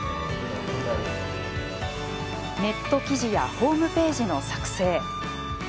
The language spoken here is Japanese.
ネット記事やホームページの作成。